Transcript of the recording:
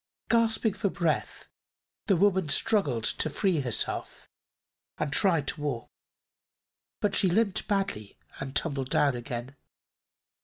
Gasping for breath the woman struggled to free herself and tried to walk, but she limped badly and tumbled down again.